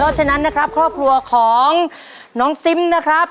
เพราะฉะนั้นนะครับครอบครัวของน้องซิมนะครับ